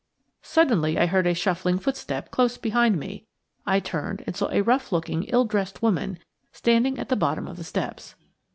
Suddenly I heard a shuffling footstep close behind me. I turned and saw a rough looking, ill dressed woman standing at the bottom of the steps.